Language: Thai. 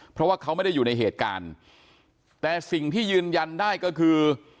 เพราะว่าเขาไม่ได้อยู่ในเหตุการณ์แต่สิ่งที่ยืนยันได้ก็คือ